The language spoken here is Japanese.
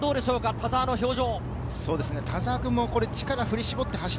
田澤の表情。